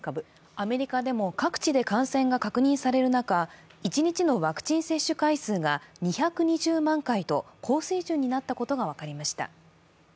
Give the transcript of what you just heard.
アメリカでも各地で感染が確認される中、一日のワクチン接種回数が２２０万回と高水準になったことが分かりました。